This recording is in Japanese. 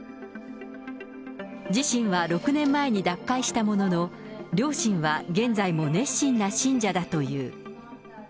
自身は６年前に脱会したものの、両親は現在も熱心な信者だという。